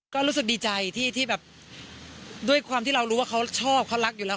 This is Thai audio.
ก็รู้สึกดีใจที่แบบด้วยความที่เรารู้ว่าเขาชอบเขารักอยู่แล้ว